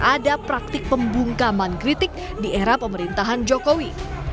ada praktik pembungkaman kritik di era pemerintahan jokowi